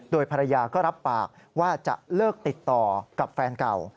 โดยภรรยาก็รับปากว่าจะเลิกติดต่อกับแฟนเก่า